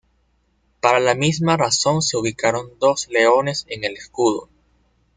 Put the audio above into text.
Para la misma razón se ubicaron dos leones en el escudo.